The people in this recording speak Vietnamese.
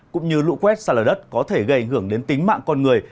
cũng như lũ quét xa lở đất có thể gây ảnh hưởng đến tính mạng con người